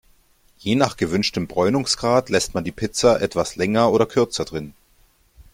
Je nach gewünschtem Bräunungsgrad lässt man die Pizza etwas länger oder kürzer drin.